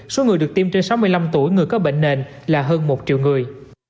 số người được tiêm trên sáu mươi năm tuổi người có bệnh nền là hơn một triệu người